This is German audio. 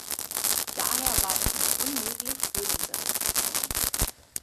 Daher war es mir unmöglich, für den Bericht zu stimmen.